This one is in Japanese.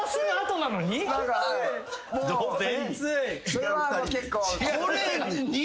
それは結構。